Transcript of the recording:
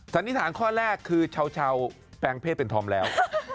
สันนิษฐานข้อแรกคือชาวแปลงเพศเป็นธอมแล้ว